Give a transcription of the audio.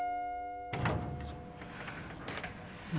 何？